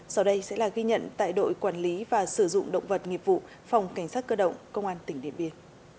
sau đây sẽ là ghi nhận tại đội quản lý và sử dụng động vật nghiệp vụ phòng cảnh sát cơ động công an tỉnh điện biên